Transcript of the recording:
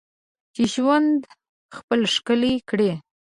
چې ژوند خپل ښکلی کړې.